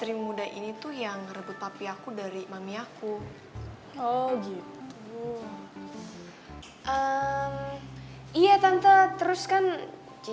om saya lihat dulu ya